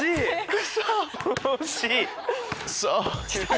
クソ！